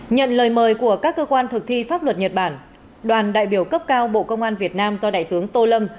nhận lời mời của các cơ quan thực thi pháp luật nhật bản đoàn đại biểu cấp cao bộ công an việt nam do đại tướng tô lâm